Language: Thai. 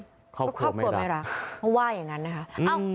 ประชดชีวิตครอบครัวไม่รักเพราะว่าอย่างงั้นนะคะอืม